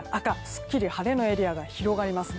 すっきり晴れのエリアが広がります。